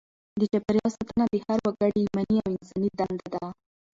د چاپیریال ساتنه د هر وګړي ایماني او انساني دنده ده.